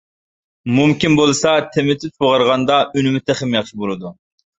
مۇمكىن بولسا تېمىتىپ سۇغارغاندا ئۈنۈمى تېخىمۇ ياخشى بولىدۇ.